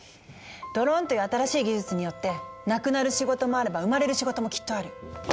ドローンという新しい技術によってなくなる仕事もあれば生まれる仕事もきっとある。